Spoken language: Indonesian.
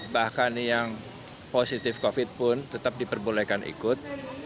bahkan yang positif covid pun tetap diperbolehkan ikut